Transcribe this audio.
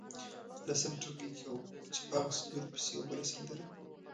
لسم ټولګي کې وم چې په هغو سندرو پسې یوه بله سندره.